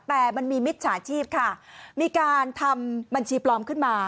แต่มันมีมิจฉาชีพค่ะมีการทำบัญชีปลอมขึ้นมา